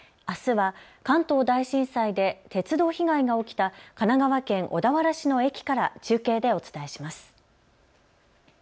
あすは関東大震災で鉄道被害が起きた神奈川県小田原市の駅から中継でお伝えします。